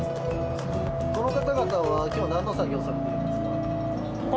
この方々は今日なんの作業されているんですか？